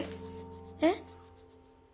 えっ？